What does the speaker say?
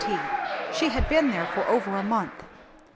She had been there for over a month.